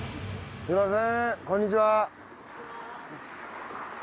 すみません。